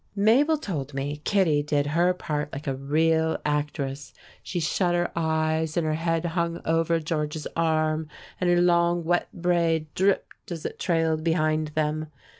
Mabel told me Kittie did her part like a real actress. She shut her eyes and her head hung over George's arm, and her long, wet braid dripped as it trailed behind them.